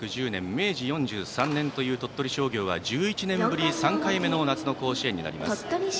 明治４３年という鳥取商業は１１年ぶり３回目の夏の甲子園になります。